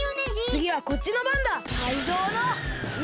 つぎはこっちのばんだ！